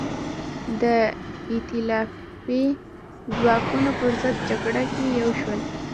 د ایتلافي ځواکونو پر ضد جګړه کې یو شول.